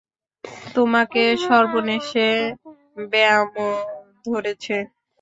তোমাকে সর্বনেশে ব্যামোয় ধরেছে।